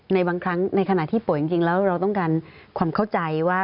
ในขณะที่เป่ายังจริงเราต้องการความเข้าใจว่า